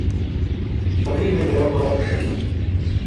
بکری بے ڈیرا کولے ڈَکی